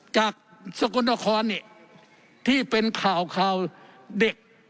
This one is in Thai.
จากสกุลนครที่เป็นข่าวเด็ก